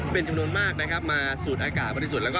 เป็นจำนวนมากมาสูดอากาศ